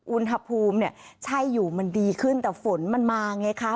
อุณหภูมิเนี่ยใช่อยู่มันดีขึ้นแต่ฝนมันมาไงคะ